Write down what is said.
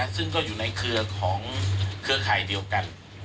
ซึ่งก็อยู่ในเครือของเครือข่ายเดียวกัน